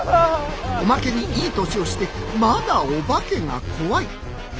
おまけにいい年をしてまだお化けが怖い。